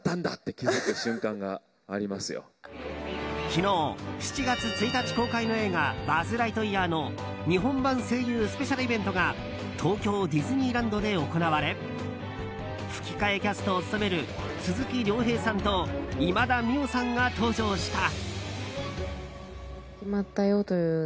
昨日、７月１日公開の映画「バズ・ライトイヤー」の日本版声優スペシャルイベントが東京ディズニーランドで行われ吹き替えキャストを務める鈴木亮平さんと今田美桜さんが登場した。